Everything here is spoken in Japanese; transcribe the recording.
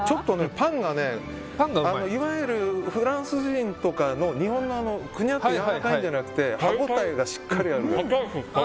パンがいわゆるフランスとかの日本のくにゃっとやわらかいのじゃなくて歯応えがしっかりある。